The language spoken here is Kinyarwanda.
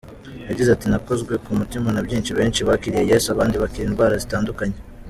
Yagize ati : "Nakozwe ku mutima na byinshi, benshi bakiriye Yesu abandi bakira indwara zitandukanye."